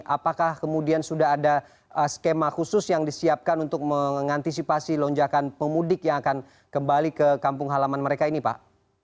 apakah kemudian sudah ada skema khusus yang disiapkan untuk mengantisipasi lonjakan pemudik yang akan kembali ke kampung halaman mereka ini pak